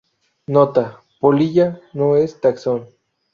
Nota: Polilla no es taxón.